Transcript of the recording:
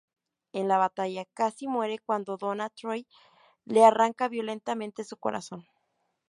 En la batalla, Cassie muere cuando Donna Troy le arranca violentamente su corazón.